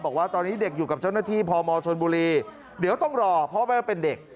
บอกว่าตอนนี้เด็กอยู่กับเจ้าหน้าที่พมชนบุรีเดี๋ยวต้องรอพ่อแม่เป็นเด็ก